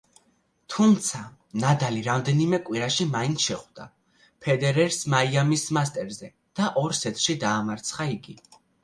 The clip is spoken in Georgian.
თუმცა ნადალი რამდენიმე კვირაში მაინც შეხვდა ფედერერს მაიამის მასტერსზე და ორ სეტში დაამარცხა იგი.